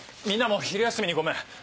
みんなも昼休みにごめん。